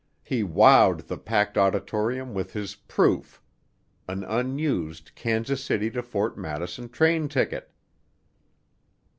He "wowed" the packed auditorium with his "proof" an unused Kansas City to Ft. Madison train ticket.